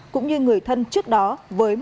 cũng như người thân trước đó với một số đối tượng khác